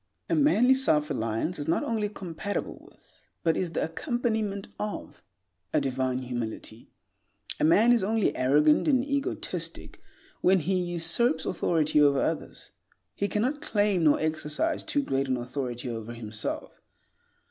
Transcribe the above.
A manly self reliance is not only compatible with, but is the accompaniment of, a divine humility. A man is only arrogant and egotistic when he usurps authority over others. He cannot claim nor exercise too great an authority over himself.